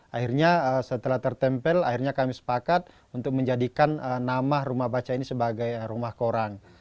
akhirnya setelah tertempel akhirnya kami sepakat untuk menjadikan nama rumah baca ini sebagai rumah koran